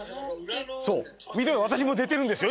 そう見て私も出てるんですよ